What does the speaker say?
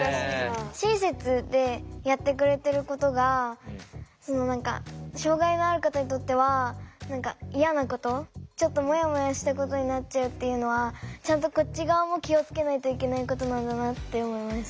親切でやってくれてることが障害のある方にとっては何か嫌なことちょっとモヤモヤしたことになっちゃうっていうのはちゃんとこっち側も気を付けないといけないことなんだなって思いました。